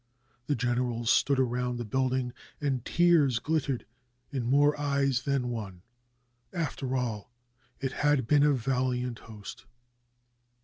The generals stood around the building, and tears glittered in more eyes than one; after all, it had been a valiant host!